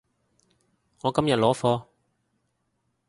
我今日攞貨